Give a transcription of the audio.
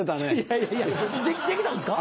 いやいやできたんですか？